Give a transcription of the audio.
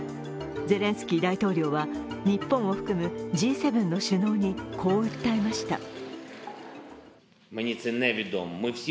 ゼレンスキー大統領は日本を含むＧ７の首脳に、こう訴えました。